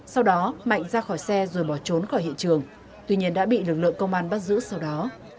sau đó mạnh ra khỏi xe rồi bỏ trốn khỏi hiện trường tuy nhiên đã bị lực lượng công an bắt giữ sau đó